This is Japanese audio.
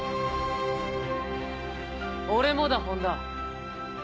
俺もだ本多。